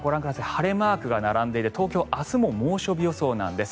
晴れマークが並んでいて東京は明日も猛暑日なんです。